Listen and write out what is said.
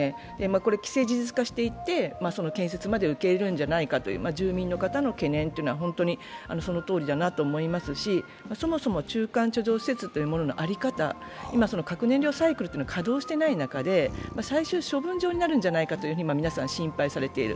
これ、既成事実化していて、建設まで受け入れるんじゃないかという住民の方の懸念というのは本当にそのとおりだなと思いますしそもそも中間貯蔵施設というものの在り方、今、核燃料サイクルが稼働していない中で、最終処分場になるんじゃないかと皆さん、心配されている。